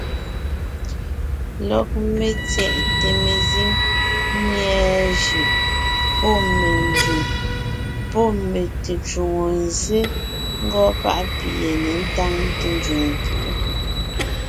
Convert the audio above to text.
Lɔg metyɛʼte mezíŋ nyɛ̀ɛ jʉʼ, pɔ́ me nzẅìŋ, pɔ́ me tecwòŋo nzsé ngɔɔn páʼ pi yé ně táŋte nzẅìŋ púʼu.